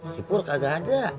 si pur kagak ada